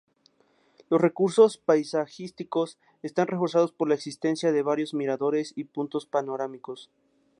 Los recursos paisajísticos están reforzado por la existencia de varios miradores y puntos panorámicos.